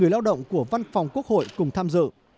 lao động của văn phòng quốc hội cùng tham dự